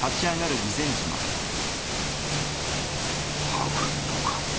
羽喰のか。